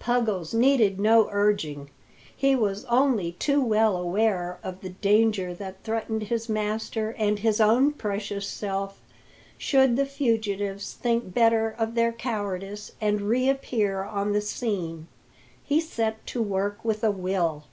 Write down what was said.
Puggles needed no urging. He was only too well aware of the danger that threatened his master and his own precious self should the fugitives think better of their cowardice and reappear on, the scene. He set to work with a will.